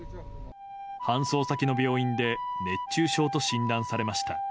搬送先の病院で熱中症と診断されました。